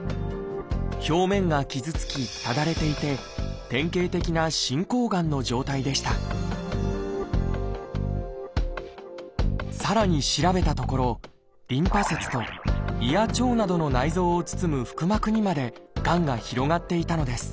表面が傷つきただれていて典型的な進行がんの状態でしたさらに調べたところリンパ節と胃や腸などの内臓を包む腹膜にまでがんが広がっていたのです。